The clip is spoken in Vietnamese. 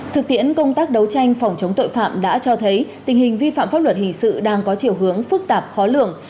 thực tiễn công tác đấu tranh phòng chống tội phạm đã cho thấy tình hình vi phạm pháp luật hình sự đang có chiều hướng phức tạp khó lường